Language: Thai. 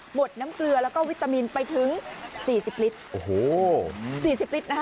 ดน้ำเกลือแล้วก็วิตามินไปถึงสี่สิบลิตรโอ้โหสี่สิบลิตรนะคะ